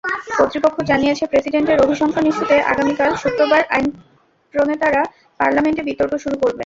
কর্তৃপক্ষ জানিয়েছে, প্রেসিডেন্টের অভিশংসন ইস্যুতে আগামীকাল শুক্রবার আইনপ্রণেতারা পার্লামেন্টে বিতর্ক শুরু করবেন।